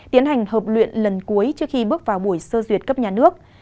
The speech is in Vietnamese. tiến hành hợp luyện lần cuối trước khi bước vào buổi sơ duyệt cấp nhà nước